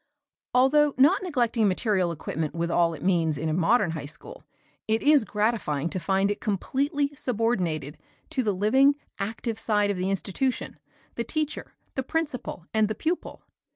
Although not neglecting material equipment with all it means in a modern high school, it is gratifying to find it completely subordinated to the living, active side of the institution, the teacher, the principal and the pupil.